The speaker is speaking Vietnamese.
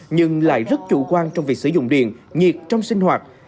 nhưng lại rất chủ quan trong việc sử dụng điện nhiệt trong sinh hoạt